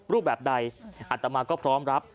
รูปแบบใดอัตมาก็พร้อมรับ